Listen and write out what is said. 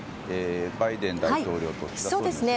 バイデン大統領と岸田総理の姿です。